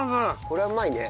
これはうまいね。